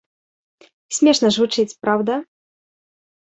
Смешна ж гучыць, праўда?